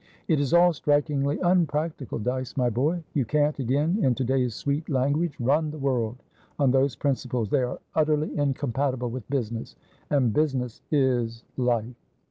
It is all strikingly unpractical, Dyce, my boy; you can't, again in to day's sweet language, 'run' the world on those principles. They are utterly incompatible with business; and business is life."